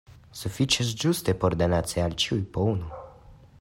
Sufiĉis ĝuste por donaci al ĉiuj po unu.